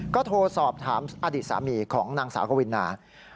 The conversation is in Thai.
ก็โทรสอบถามอดีตสามีของนางสาวกวินา